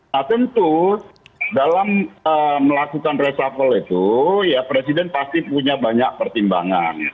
nah tentu dalam melakukan reshuffle itu ya presiden pasti punya banyak pertimbangan